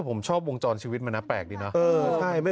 แต่ผมชอบวงจรชีวิตมันนะแปลกเลยนะ